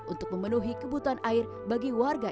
untuk memenuhi kebutuhan air bagi warga